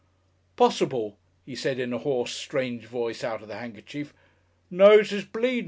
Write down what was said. "'Possible," he said in a hoarse, strange voice out of the handkerchief. "Nozzez bleedin'."